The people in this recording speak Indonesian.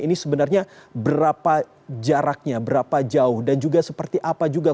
ini sebenarnya berapa jaraknya berapa jauh dan juga seperti apa juga